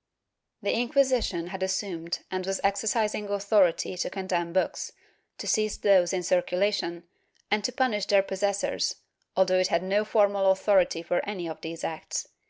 ^ The Inquisition had assumed and was exercising authority to condemn books, to seize those in circulation and to punish their possessors, although it had no formal authority for any of these acts.